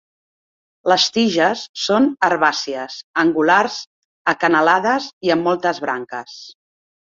Les tiges són herbàcies, angulars, acanalades i amb moltes branques.